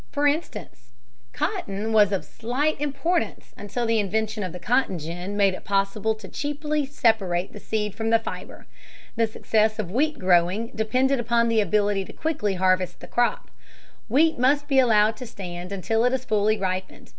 For instance, cotton was of slight importance until the invention of the cotton gin (p. 185) made it possible cheaply to separate the seed from the fiber. The success of wheat growing depended upon the ability quickly to harvest the crop. Wheat must be allowed to stand until it is fully ripened.